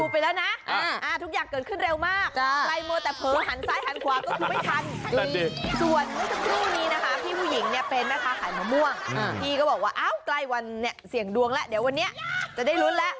พี่ก็บอกว่าอ้าวใกล้วันเนี่ยเสี่ยงดวงแล้วเดี๋ยววันนี้จะได้ลุ้นแล้ว